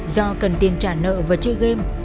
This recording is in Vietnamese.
do cần tiền trả nợ và chơi game